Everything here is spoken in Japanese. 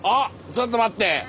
ちょっと待って。